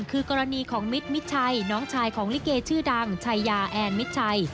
คือกรณีของมิตรมิดชัยน้องชายของลิเกชื่อดังชัยยาแอนมิดชัย